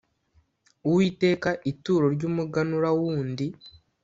Uwiteka ituro ry umuganura wundi